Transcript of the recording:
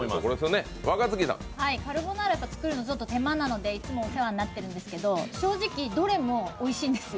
カルボナーラって作るのが手間なので、いつもお世話になっているんですけど正直どれもおいしいんです。